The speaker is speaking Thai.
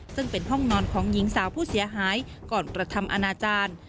ซึ่งเป็นห้องนอนของหญิงสาวผู้เสียหายก่อนกระทำอนาจารย์